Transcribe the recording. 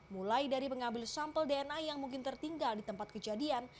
mulai dari pengambil sampel dna yang mungkin tertinggal di tempat kejadian